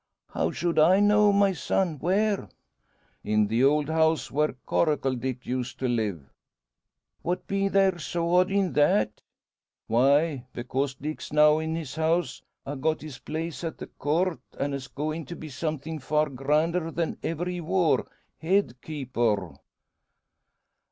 "How should I know, my son? Where?" "In the old house where Coracle Dick used to live!" "What be there so odd in that?" "Why, because Dick's now in his house; ha' got his place at the Court, an's goin' to be somethin' far grander than ever he wor head keeper."